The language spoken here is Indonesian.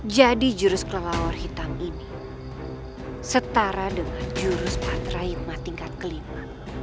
jadi jurus kelalauan hitam ini setara dengan jurus patrihidma tingkat kelima